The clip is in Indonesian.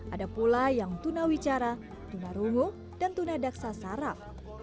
ada pula yang tunawicara tunarungu dan tunadaksa sarap